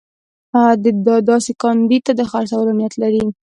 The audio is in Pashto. ده داسې کاندید ته د خرڅولو نیت لري.